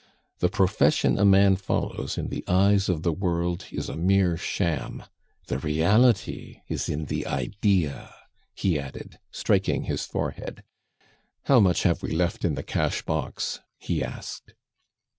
The profession a man follows in the eyes of the world is a mere sham; the reality is in the idea!" he added, striking his forehead. "How much have we left in the cash box?" he asked.